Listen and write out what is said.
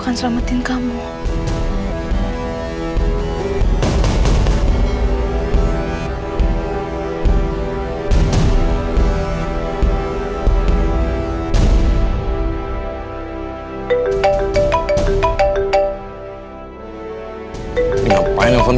kasih tau dimana lo sekarang